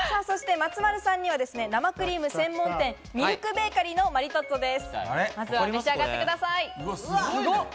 松丸さんには生クリーム専門店ミルクベーカリーのマリトッツォです。